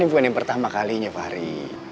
ini bukan yang pertama kalinya pak ari